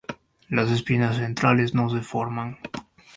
Las espinas centrales no se forman.